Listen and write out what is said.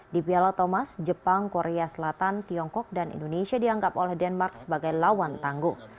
di piala thomas jepang korea selatan tiongkok dan indonesia dianggap oleh denmark sebagai lawan tangguh